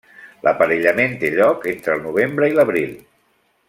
L'aparellament té lloc entre el novembre i l'abril.